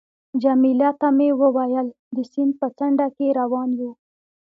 جميله ته مې وویل: د سیند په څنډه کې روان یو.